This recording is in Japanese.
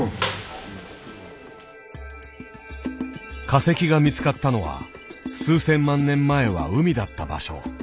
化石が見つかったのは数千万年前は海だった場所。